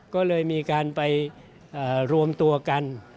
ก็เลยมีการไปรวมตัวกัน